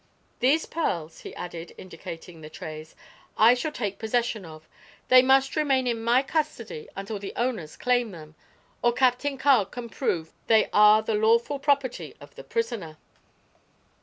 "These pearls," he added, indicating the trays, "I shall take possession of. They must remain in my custody until their owners claim them, or Captain Carg can prove they are the lawful property of the prisoner."